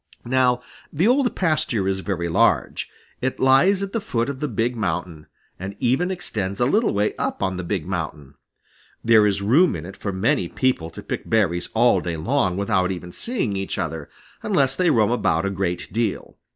Now the Old Pasture is very large. It lies at the foot of the Big Mountain, and even extends a little way up on the Big Mountain. There is room in it for many people to pick berries all day without even seeing each other, unless they roam about a great deal.